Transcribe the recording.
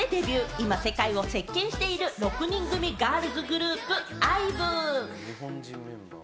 今、世界を席巻している、６人組ガールズグループ・ＩＶＥ。